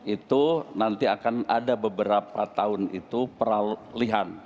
itu nanti akan ada beberapa tahun itu peralihan